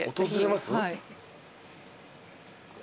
はい。